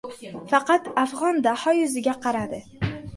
Faqat "afg‘on" Daho yuziga qaradi.